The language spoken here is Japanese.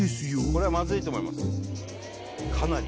これはまずいと思いますかなり。